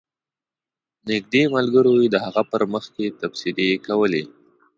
نږدې ملګرو یې د هغه په مخ کې تبصرې کولې.